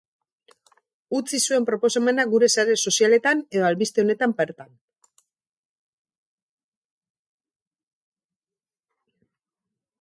Utzi zuen proposamenak gure sare sozialetan edo albiste honetan bertan.